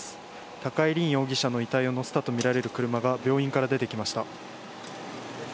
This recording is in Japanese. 高井凜容疑者の遺体を乗せたとみられる車が病院から出てきました。